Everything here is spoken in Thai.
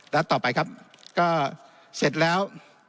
แล้วต่อไปครับก็เสร็จแล้ว